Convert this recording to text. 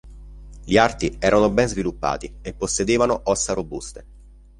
Gli arti erano ben sviluppati e possedevano ossa robuste.